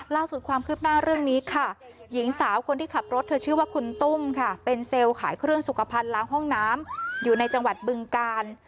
ความคืบหน้าเรื่องนี้ค่ะหญิงสาวคนที่ขับรถเธอชื่อว่าคุณตุ้มค่ะเป็นเซลล์ขายเครื่องสุขภัณฑ์ล้างห้องน้ำอยู่ในจังหวัดบึงกาล